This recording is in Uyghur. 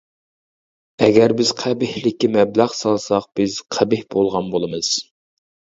ئەگەر بىز قەبىھلىككە مەبلەغ سالساق، بىز قەبىھ بولغان بولىمىز.